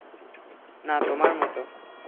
না, তোমার মত।